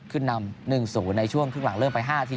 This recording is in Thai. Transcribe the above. ขึ้นนำ๑๐ในช่วงครึ่งหลังเริ่มไป๕ที